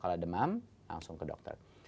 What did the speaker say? kalau demam langsung ke dokter